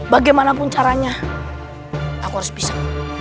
bagaimanapun caranya aku harus bisa